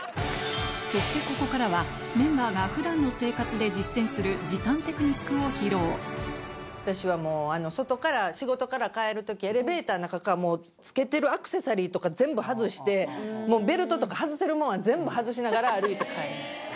そしてここからはメンバーが普段の生活で実践する時短テクニックを披露私はもう外から仕事から帰るときエレベーターの中から着けてるアクセサリーとか全部外してもうベルトとか外せるものは全部外しながら歩いて帰ります。